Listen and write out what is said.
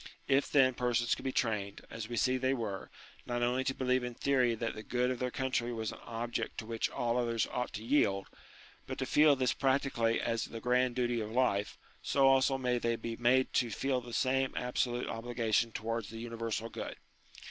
If, then, persons could be trained, as we see they were, not only to believe in theory that the good of their country was an object to which all others ought to yield, but to feel this practically as the grand duty of life, so also may they be made to feel the same absolute obligation towards the uni versal good.